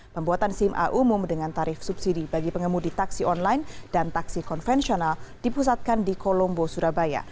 pembuatan sim a umum dengan tarif subsidi bagi pengemudi taksi online dan taksi konvensional dipusatkan di kolombo surabaya